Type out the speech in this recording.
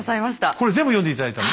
これ全部読んで頂いたの？